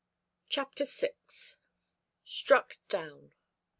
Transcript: CHAPTER VI. STRUCK DOWN.